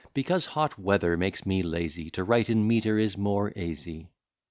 Because hot weather makes me lazy, To write in metre is more easy.